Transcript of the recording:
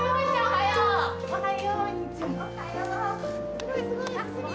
すごいすごい！